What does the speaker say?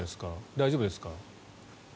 大丈夫ですか？